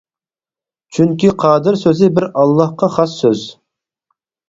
چۈنكى «قادىر» سۆزى بىر ئاللاغا خاس سۆز.